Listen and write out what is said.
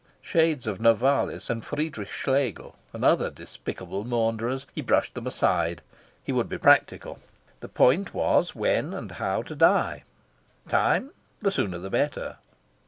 Shades of Novalis and Friedrich Schlegel and other despicable maunderers! He brushed them aside. He would be practical. The point was, when and how to die? Time: the sooner the better.